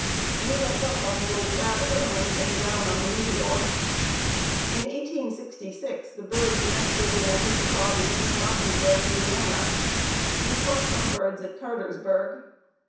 We went up on the Old Traveler and came down on the Meteor. In 1866 the birds nested in a heavy body near Martinsville, Ind. We caught some birds at Cartersburg.